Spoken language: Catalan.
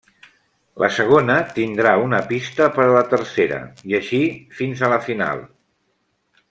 La segona tindrà una pista per a la tercera, i així fins a la final.